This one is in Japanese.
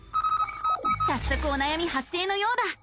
さっそくおなやみ発生のようだ。